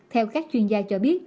theo các chuyên gia cho biết